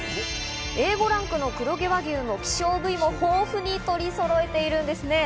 Ａ５ランクの黒毛和牛の希少部位も豊富に取りそろえているんですね。